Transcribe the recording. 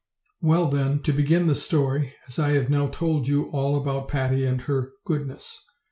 Well, then, to begin the story, as I have now told you all about Patty and her goodness.